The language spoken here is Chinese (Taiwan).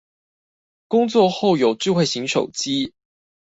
工作後有智慧型手機